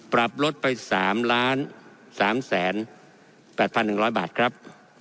ปรับลดไป๓๓๘๑๐๐บาทครับ